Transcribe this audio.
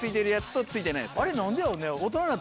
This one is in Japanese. あれ何でやろね？